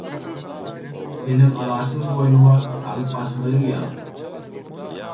Senem alaçsyz boýnuňa alyp başyňy egýäň.